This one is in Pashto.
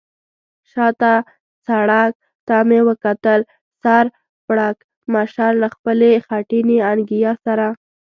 شا ته سړک ته مې وکتل، سر پړکمشر له خپلې خټینې انګیا سره.